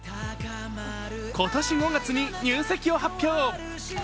今年５月に入籍を発表。